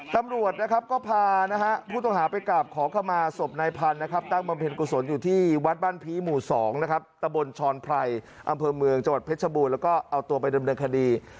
ตำรวจนะครับก็พานะฮะผู้ต้องหาไปกราบขอเข้ามาศพนายพันธุ์นะครับตั้งบำเพ็ญกุศลอยู่ที่วัดบ้านพีหมู่๒นะครับตะบนชอนไพรอำเภอเมืองจังหวัดเพชรบูรณ์แล้วก็เอาตัวไปดำเนินคดี